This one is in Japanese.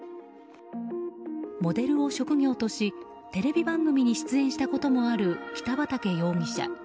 モデルを職業とし、テレビ番組に出演したこともある北畠容疑者。